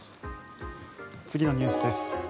次のニュースです。